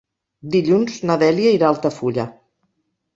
Dilluns na Dèlia irà a Altafulla.